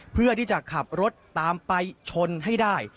เพื่อที่จะขับรถตามไปชนให้ได้